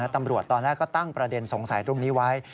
ตอนแรกก็ตั้งประเด็นสงสัยตรงนี้ไว้